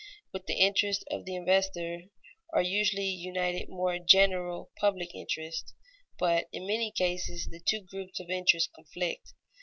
_ With the interests of the investor are usually united more general public interests; but in many cases the two groups of interests conflict.